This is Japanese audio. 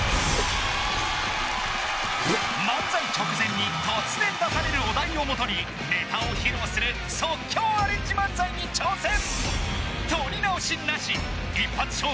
漫才直前に突然出されるお題をもとにネタを披露する即興アレンジ漫才に挑戦！